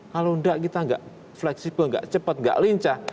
kalau tidak kita tidak fleksibel tidak cepat tidak lincah